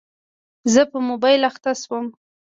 زه په موبایل اخته شوم.